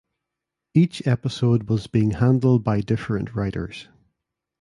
Each episode was being handled by different writers.